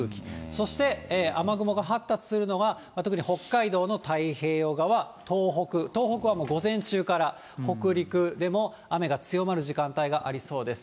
そして、雨雲が発達するのが、特に北海道の太平洋側、東北、東北はもう午前中から、北陸でも雨が強まる時間帯がありそうです。